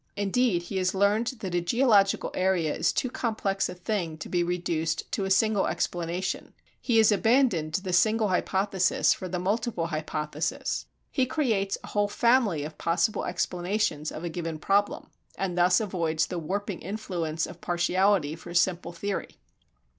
Indeed, he has learned that a geological area is too complex a thing to be reduced to a single explanation. He has abandoned the single hypothesis for the multiple hypothesis. He creates a whole family of possible explanations of a given problem and thus avoids the warping influence of partiality for a simple theory.